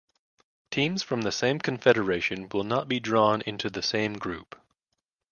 Teams from the same confederation will not be drawn into the same group.